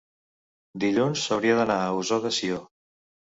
dilluns hauria d'anar a Ossó de Sió.